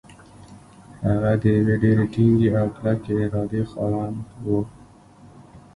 هغه د يوې ډېرې ټينګې او کلکې ارادې خاوند و.